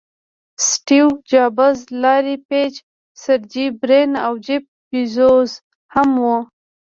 سټیو جابز، لاري پیج، سرجي برین او جیف بیزوز هم وو.